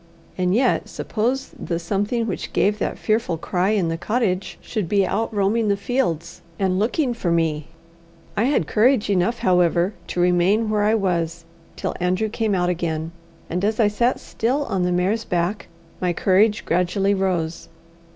And yet suppose the something which gave that fearful cry in the cottage should be out roaming the fields and looking for mel I had courage enough, however, to remain where I was till Andrew came out again, and as I sat still on the mare's back, my courage gradually rose.